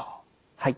はい。